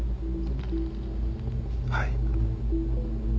はい。